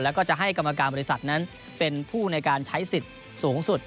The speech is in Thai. แล้วก็จะให้กรรมการบริษัทนั้นเป็นผู้ในการใช้สิทธิ์สูงสุด